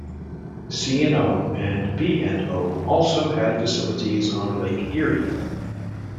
C and O and B and O also had facilities on Lake Erie.